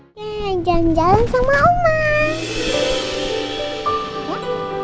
jangan jalan sama oma